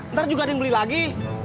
ntar juga ada yang beli lagi